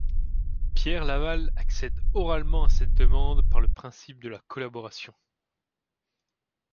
Pierre Laval accède oralement à cette demande par le principe de la collaboration.